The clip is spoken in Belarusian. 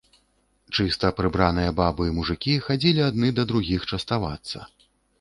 Чыста прыбраныя бабы і мужыкі хадзілі адны да другіх частавацца.